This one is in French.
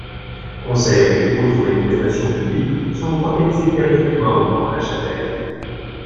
Concerts et autres manifestations publiques sont organisés périodiquement dans la chapelle.